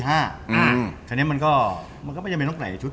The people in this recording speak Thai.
อย่างงั้นมันก็ไม่จะมีอะไร